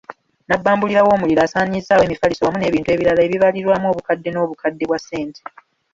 Nnabbambula w'omuliro asaanyizzaawo emifaliso wamu n'ebintu ebirala ebibalirirwamu obukadde n'obukadde bwa ssente.